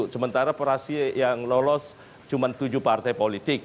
sementara fraksi yang lolos cuma tujuh partai politik